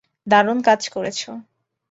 দারুণ কাজ করেছো!